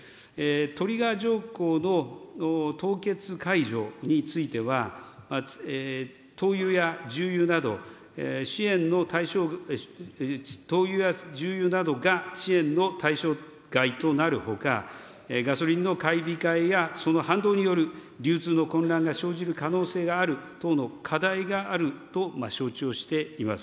トリガー条項の凍結解除については、灯油や重油など、が支援の対象外となるほか、ガソリンの買い控えやその反動による流通の混乱が生ずる可能性があるとの課題があると承知をしています。